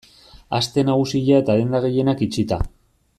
Aste Nagusia eta denda gehienak itxita.